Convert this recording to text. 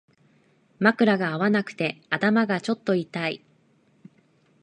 枕が合わなくて頭がちょっと痛い